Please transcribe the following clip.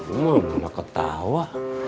emang malah ketawa